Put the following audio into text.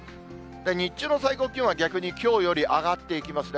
日中の最高気温は逆にきょうより上がっていきますね。